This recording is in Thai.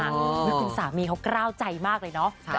นึกถึงสามีเขากล้าวใจมากเลยเนอะ